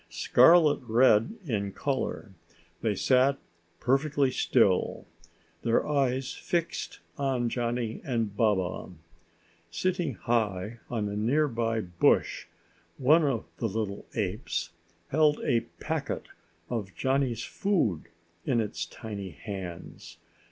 Scarlet red in color, they sat perfectly still, their eyes fixed on Johnny and Baba. Sitting high on a nearby bush one of the little apes held a packet of Johnny's food in its tiny hands.